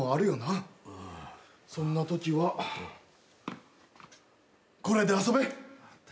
そんなときはこれで遊べ。